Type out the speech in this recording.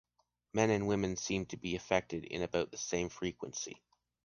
Men and women seem to be affected in about the same frequency.